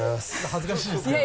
恥ずかしいですけどね。